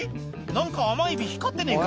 何か甘エビ光ってねえか？